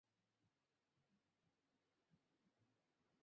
আমার কথাটা একবার শুন।